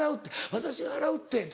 「私が払うって」